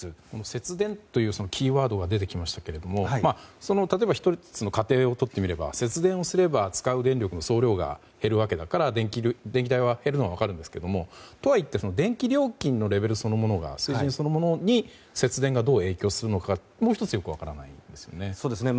節電というキーワードが出てきましたが例えば１つの家庭をとってみれば節電すれば使う電力の総量が減るわけだから電気代が減るのは分かるんですけどとはいっても電気料金の水準そのものが節電がどう影響するのかも１つよく分からないんですよね。